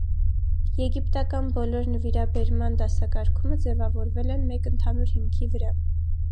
Եգիպտական բոլոր նվիրաբերման դասակարգումը ձևավորվել են մեկ ընդհանուր հիմքի վրա։